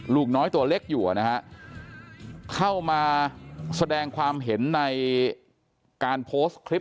ลูกน้อยตัวเล็กอยู่นะฮะเข้ามาแสดงความเห็นในการโพสต์คลิป